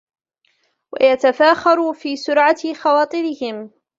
وَيَتَفَاخَرُوا فِي سُرْعَةِ خَوَاطِرِهِمْ